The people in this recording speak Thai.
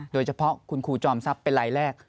โดยเฉพาะคุณครูจอมทรัพย์เป็นรายแรก